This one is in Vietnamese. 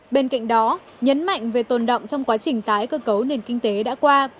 bên cạnh đó nhấn mạnh về tồn động trong quá trình tái cơ cấu nền kinh tế đã qua